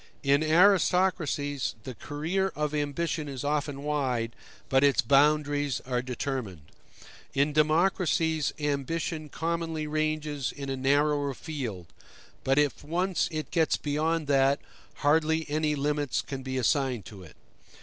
In aristocracies the career of ambition is often wide, but its boundaries are determined. In democracies ambition commonly ranges in a narrower field, but if once it gets beyond that, hardly any limits can be assigned to it.